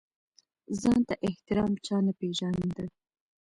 ځان ته احترام چا نه پېژانده.